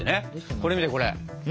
これ見てこれ！